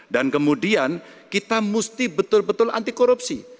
dan kemudian kita mesti betul betul anti korupsi